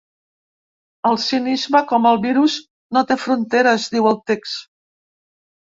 El cinisme, com el virus, no té fronteres, diu el text.